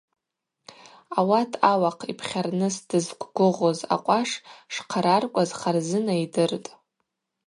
Ауат ауахъ йпхьарныс дызквгвыгъуз акъваш шхъараркӏваз Харзына йдыртӏ.